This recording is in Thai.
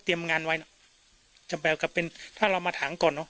เตรียมงานไว้จะแบบกับเป็นถ้าเรามาถังก่อนเนอะ